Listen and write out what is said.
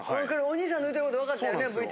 お兄さんの言うてることわかったよね？